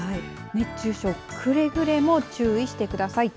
熱中症くれぐれも注意してください。